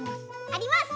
あります。